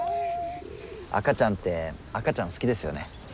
赤ちゃんって赤ちゃん好きですよね。